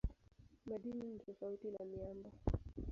Madini ni tofauti na miamba.